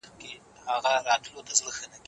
پړ هم زه سوم مړ هم زه سوم.